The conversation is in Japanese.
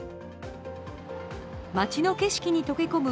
町の景色に溶け込む